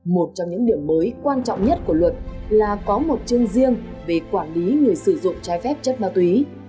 một trong những điểm mới quan trọng nhất của luật là có một chương riêng về quản lý người sử dụng trái phép chất ma túy